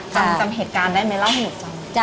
จำเหตุการณ์ได้ไหมเล่าให้หนูฟัง